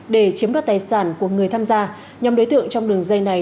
để chiếm đoạt tài sản của người tham gia nhóm đối tượng trong đường dây này